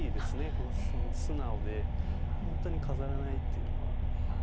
この素直で本当に飾らないっていうのは。